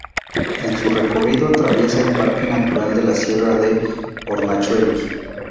En su recorrido atraviesa el Parque Natural de la Sierra de Hornachuelos